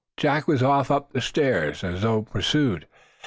Jack was off up the steps as though pursued.